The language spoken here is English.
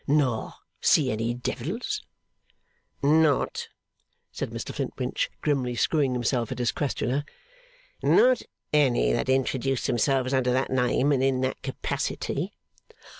'Nor see any devils?' 'Not,' said Mr Flintwinch, grimly screwing himself at his questioner, 'not any that introduce themselves under that name and in that capacity.